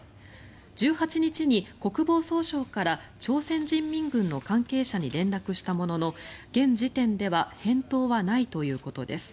１８日に国防総省から朝鮮人民軍の関係者に連絡したものの現時点では返答はないということです。